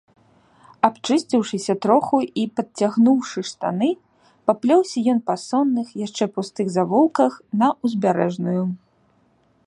Абчысціўшыся троху і падцягнуўшы штаны, паплёўся ён па сонных, яшчэ пустых завулках на ўзбярэжную.